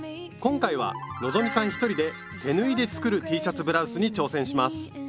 今回は希さん一人で「手縫いで作るＴシャツブラウス」に挑戦します。